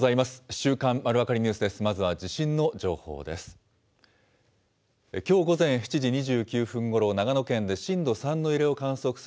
週刊まるわかりニュースです。